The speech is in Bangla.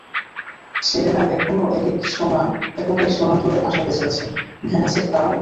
সেরেনার এখনো এককে সোনা জয়ের আশা বেঁচে আছে, ভেনাসের তা-ও নেই।